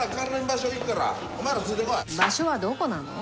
場所はどこなの？